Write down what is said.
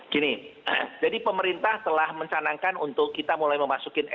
gini jadi pemerintah telah mencanangkan untuk kita mulai memasuki